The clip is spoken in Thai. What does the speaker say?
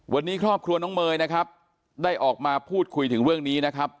วันนี้ครอบครัวน้องเมย์นะครับได้ออกมาพูดคุยถึงเรื่องนี้นะครับ